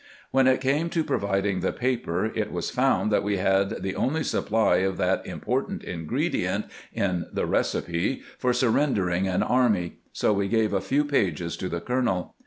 When it came to providing the paper, it was found that we had the only supply of that important ingredient in the recipe for surrendering an army, so we gave a few pages to the colonel.